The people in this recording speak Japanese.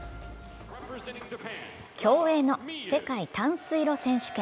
競泳の世界短水路選手権。